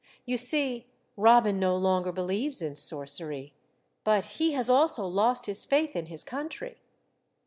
You see, Robin no longer believes in sorcery, but he has also lost his faith in his country.